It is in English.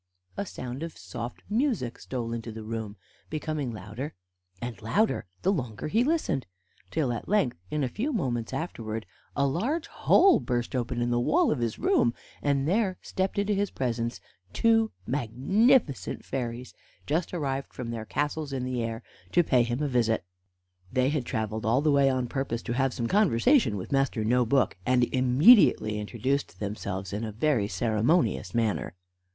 A sound of soft music stole into the room, becoming louder and louder the longer he listened, till at length, in a few moments afterwards, a large hole burst open in the wall of his room, and there stepped into his presence two magnificent fairies, just arrived from their castles in the air, to pay him a visit. They had traveled all the way on purpose to have some conversation with Master No book, and immediately introduced themselves in a very ceremonious manner.